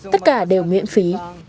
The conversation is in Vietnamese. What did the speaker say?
tất cả đều miễn phí